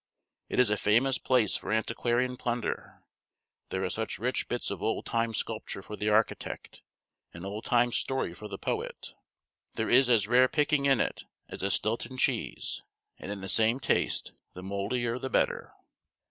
It is a famous place for antiquarian plunder; there are such rich bits of old time sculpture for the architect, and old time story for the poet. There is as rare picking in it as a Stilton cheese, and in the same taste the mouldier the better."